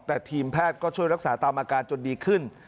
แต่ทีมแพทย์ก็ช่วยรักษาตามอาการจนดีขึ้น